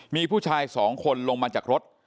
มีผู้ชายสองคนลงมาจากรถ